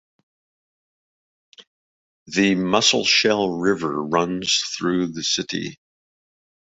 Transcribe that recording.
The Musselshell River runs through the city.